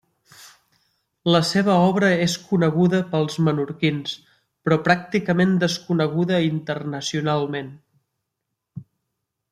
La seva obra és coneguda pels menorquins, però pràcticament desconeguda internacionalment.